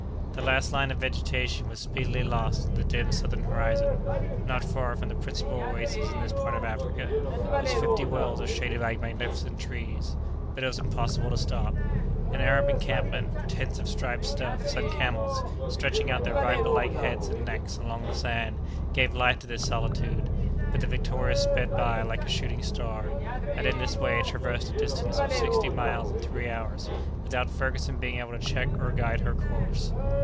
The last line of vegetation was speedily lost in the dim southern horizon, not far from the principal oasis in this part of Africa, whose fifty wells are shaded by magnificent trees; but it was impossible to stop. An Arab encampment, tents of striped stuff, some camels, stretching out their viper like heads and necks along the sand, gave life to this solitude, but the Victoria sped by like a shooting star, and in this way traversed a distance of sixty miles in three hours, without Ferguson being able to check or guide her course.